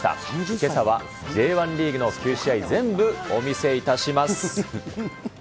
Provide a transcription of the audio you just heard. けさはＪ１リーグの９試合、全部お見せいたします。